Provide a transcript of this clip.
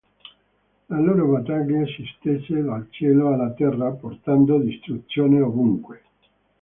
La loro battaglia si estese dal cielo alla terra, portando distruzione ovunque.